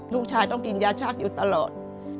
ลูกชายต้องกินยาชักอยู่ตลอด